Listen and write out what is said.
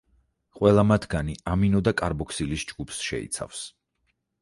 ყველა მათგანი ამინო და კარბოქსილის ჯგუფს შეიცავს.